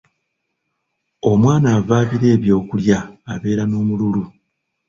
Omwana avaabira ebyokulya abeera n'omululu.